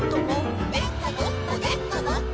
「でこぼこでこぼこ」